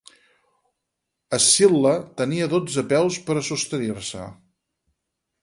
Escil·la tenia dotze peus per a sostenir-se.